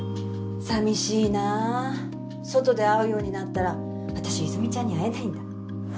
さみしいな外で会うようになったら私泉ちゃんに会えないんだ